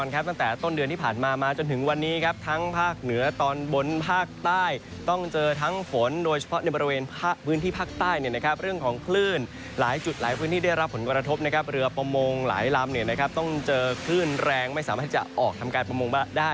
ใครที่จะวางแผนไปที่ทะเลมีโอกาสแล้วนะครับ